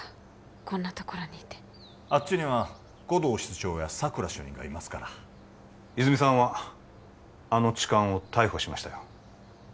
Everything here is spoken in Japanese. こんな所にいてあっちには護道室長や佐久良主任がいますから泉さんはあの痴漢を逮捕しましたよ